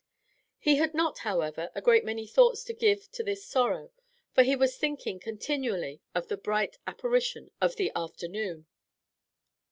He had not, however, a great many thoughts to give to this sorrow, for he was thinking continually of the bright apparition of the afternoon.